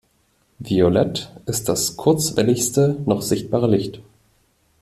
Violett ist das kurzwelligste noch sichtbare Licht.